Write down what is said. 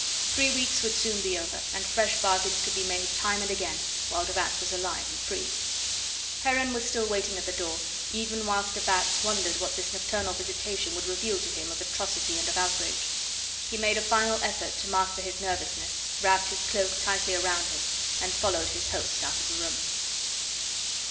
Three weeks would soon be over, and fresh bargains could be made time and again, while de Batz was alive and free. Heron was still waiting at the door, even whilst de Batz wondered what this nocturnal visitation would reveal to him of atrocity and of outrage. He made a final effort to master his nervousness, wrapped his cloak tightly around him, and followed his host out of the room.